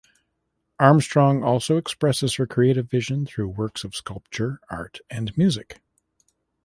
Armstrong also expresses her creative vision through works of sculpture, art, and music.